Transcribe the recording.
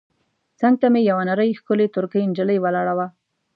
څنګ ته مې یوه نرۍ ښکلې ترکۍ نجلۍ ولاړه وه.